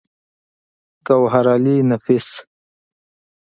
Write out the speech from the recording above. ګوهرعلي نفيس